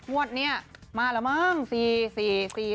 พวกนี้มาแล้วมั้งสี่สี่สี่สี่